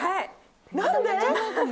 何で？